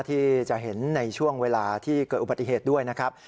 ที่จะเห็นในช่วงเวลาที่เกิดอุบัติเหตุด้วยนะครับ